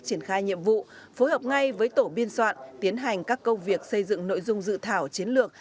triển khai nhiệm vụ phối hợp ngay với tổ biên soạn tiến hành các công việc xây dựng nội dung dự thảo chiến lược